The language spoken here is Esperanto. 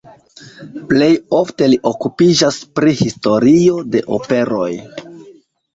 Plej ofte li okupiĝas pri historio de operoj.